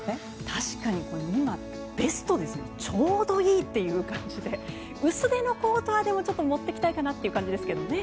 確かに今、ベストでちょうどいいという感じででも薄手のコートはちょっと持っていきたいかなという感じですね。